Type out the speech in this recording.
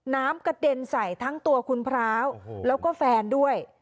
น้ำกระเด็นใส่ทั้งตัวคุณพร้าวแล้วก็แฟนด้วย